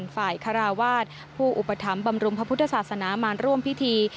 ฝ่ายคาราวาสผู้อุปถัมภำรุงพระพุทธศาสนามาร่วมพิธี